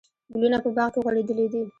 ګلونه په باغ کې غوړېدلي دي.